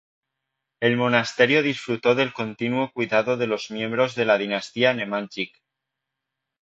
El monasterio disfrutó del continuo cuidado de los miembros de la dinastía Nemanjić.